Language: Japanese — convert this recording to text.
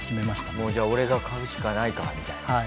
もうじゃあ「俺が買うしかないか」みたいな。はい。